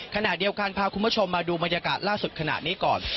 ขณะเดียวกันพาคุณผู้ชมมาดูบรรยากาศล่าสุดขณะนี้ก่อน